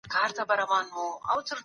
کتاب ليکلي چې اقتصادي پرمختيا اړينه ده.